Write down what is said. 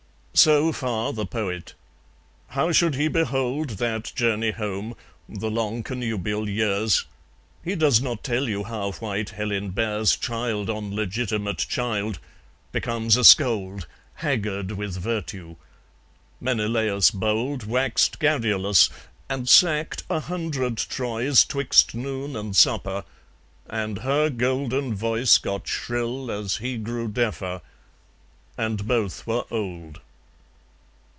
II So far the poet. How should he behold That journey home, the long connubial years? He does not tell you how white Helen bears Child on legitimate child, becomes a scold, Haggard with virtue. Menelaus bold Waxed garrulous, and sacked a hundred Troys 'Twixt noon and supper. And her golden voice Got shrill as he grew deafer. And both were old.